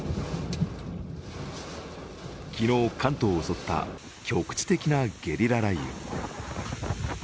昨日、関東を襲った局地的なゲリラ雷雨。